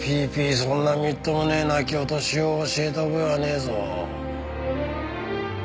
そんなみっともねえ泣き落としを教えた覚えはねえぞ。